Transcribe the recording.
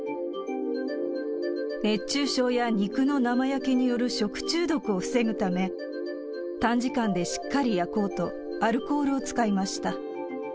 熱中症や肉の生焼けによる食中毒を防ぐため、短時間でしっかり焼こうと、アルコールを使いました。